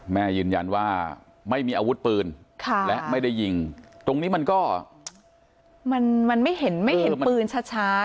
แม่ยืนยันว่าไม่มีอาวุธปืนและไม่ได้ยิงตรงนี้มันก็มันไม่เห็นไม่เห็นปืนชัด